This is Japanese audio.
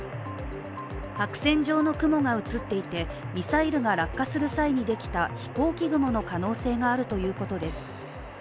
白線状の雲が映っていてミサイルが落下する際にできた飛行機雲の可能性があるということです。